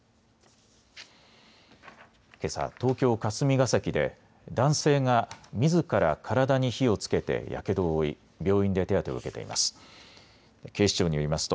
けさ、東京霞が関で男性がみずから体に火をつけてやけどを負い病院で手当てを受けています。